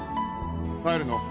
帰るの？